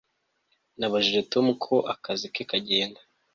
Nabajije Tom uko akazi ke kagenda